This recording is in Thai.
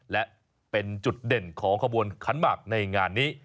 และเป็นจุดเด่นของขบวนขันหมากในงานนี้